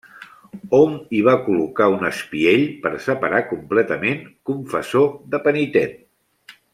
Hom hi va col·locar un espiell per separar completament confessor de penitent.